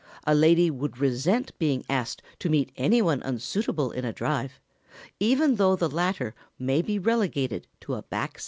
A lady would resent being asked to meet any one unsuitable in a drive, even though the latter may be relegated to a back seat.